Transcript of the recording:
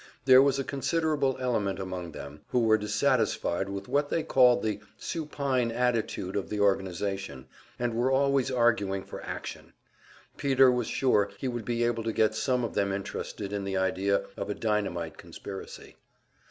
There was a considerable element among them who were dissatisfied with what they called the "supine attitude" of the organization, and were always arguing for action. Peter was sure he would be able to get some of them interested in the idea of a dynamite conspiracy.